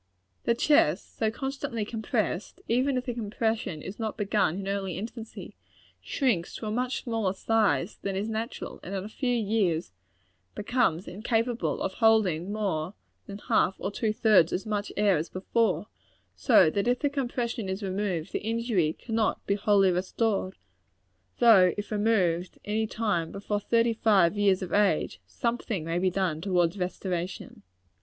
The chest, so constantly compressed, even if the compression is not begun in early infancy, shrinks to a much smaller size than is natural, and in a few years becomes incapable of holding more than half or two thirds as much air as before; so that if the compression is removed, the injury cannot be wholly restored though if removed any time before thirty five years of age, something may be done towards restoration.